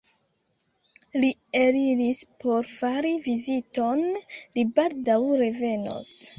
Li eliris por fari viziton: li baldaŭ revenos.